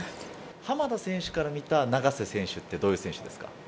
浜田選手から見た永瀬選手はどういう選手ですか。